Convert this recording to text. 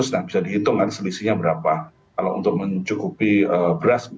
nah bisa dihitung kan selisihnya berapa kalau untuk mencukupi beras